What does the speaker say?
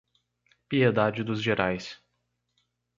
Piedade dos Gerais